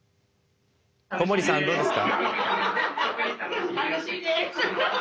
小森さんどうですか？